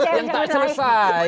yang tak selesai